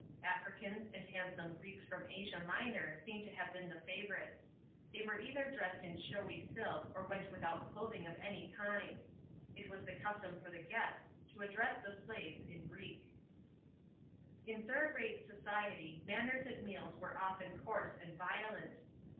Africans and handsome Greeks from Asia Minor seem to have b< en the favourites. They were either dressed in showy silk or went without clothing of any kind, f It was the custom for the guests to address the slaves in (lr< ek. J § 14. In third rate society manners at meals were ofter. coarse and violent.